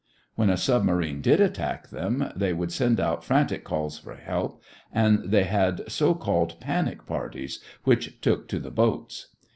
When a submarine did attack them, they would send out frantic calls for help, and they had so called "panic" parties which took to the boats.